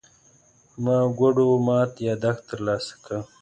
ما ګوډو مات يادښت ترلاسه کړ.